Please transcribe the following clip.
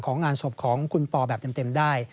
งานศพของคุณปอแบบเต็มได้